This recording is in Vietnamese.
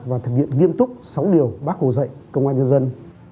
và thực hiện nghiêm túc sáu điều bác hồ dạy công an nhân dân